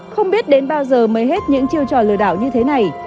không biết đến bao giờ mới hết những chiêu trò lừa đảo như thế này